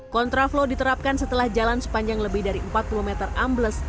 kontraflow diterapkan setelah jalan sepanjang lebih dari empat puluh meter ambles